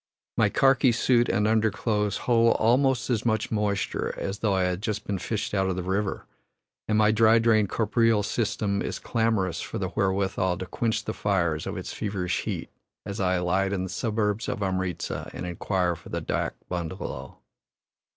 My karki suit and underclothes hold almost as much moisture as though I had just been fished out of the river, and my dry drained corporeal system is clamorous for the wherewithal to quench the fires of its feverish heat as I alight in the suburbs of Amritza and inquire for the dak bungalow.